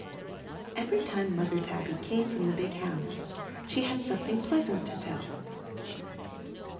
Every time Mother Tabby came from the big house she had something pleasant to tell.